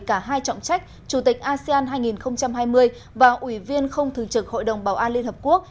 cả hai trọng trách chủ tịch asean hai nghìn hai mươi và ủy viên không thường trực hội đồng bảo an liên hợp quốc